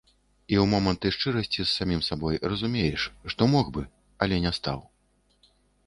І ў моманты шчырасці з самім сабой разумееш, што мог бы, але не стаў.